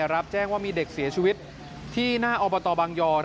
รับแจ้งว่ามีเด็กเสียชีวิตที่หน้าอบตบางยอ